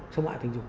xâm mại tình dục